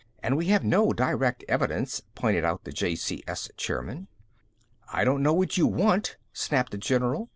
"And we have no direct evidence," pointed out the JCS chairman. "I don't know what you want," snapped the general.